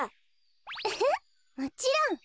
ウフッもちろん。